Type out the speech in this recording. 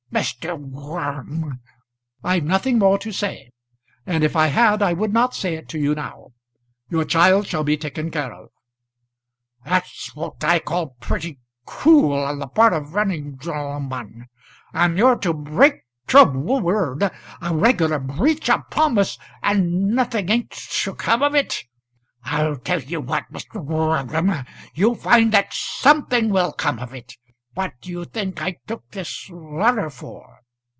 "Mr. Gorm!" "I've nothing more to say; and if I had, I would not say it to you now. Your child shall be taken care of." "That's what I call pretty cool on the part of any gen'leman. And you're to break your word, a regular breach of promise, and nothing ain't to come of it! I'll tell you what, Mr. Gorm, you'll find that something will come of it. What do you think I took this letter for?"